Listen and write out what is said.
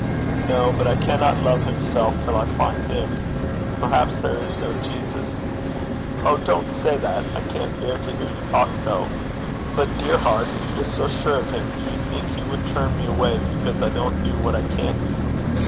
'No. But I cannot love himself till I find him. Perhaps there is no Jesus.' 'Oh, don't say that. I can't bear to hear you talk so,' 'But, dear heart, if you're so sure of him, do you think he would turn me away because I don't do what I can't do?